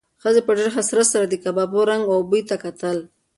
ښځې په ډېر حسرت سره د کبابو رنګ او بوی ته کتل.